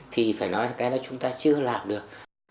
thì phải nói là cái đó chúng ta chưa làm được